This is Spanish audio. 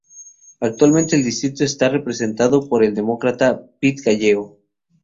Actualmente el distrito está representado por el Demócrata Pete Gallego.